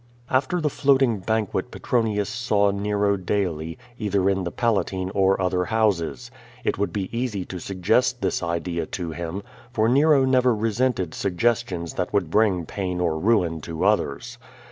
After the floating l)anquet Petronius saw Nero daily, either in the Palatine or other houses. It would be easy to suggest this idea to him, for Nero never resented suggestions that would bring pain or ruin to others.